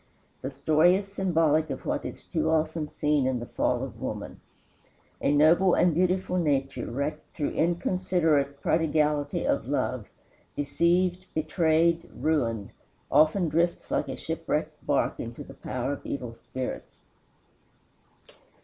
The story is symbolic of what is too often seen in the fall of woman. A noble and beautiful nature wrecked through inconsiderate prodigality of love, deceived, betrayed, ruined, often drifts like a shipwrecked bark into the power of evil spirits.